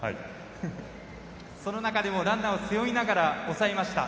その中でもランナーを背負いながら抑えました。